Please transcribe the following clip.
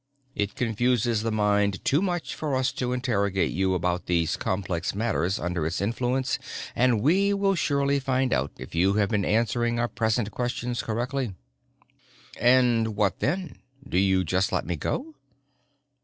It confuses the mind too much for us to interrogate you about these complex matters under its influence but we will surely find out if you have been answering our present questions correctly." "And what then? Do you just let me go?"